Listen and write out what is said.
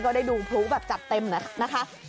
ได้ดูพลุแบบจัดเต็มนะคะ